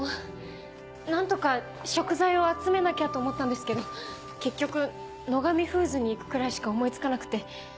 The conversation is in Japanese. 何とか食材を集めなきゃと思ったんですけど結局野上フーズに行くくらいしか思い付かなくて。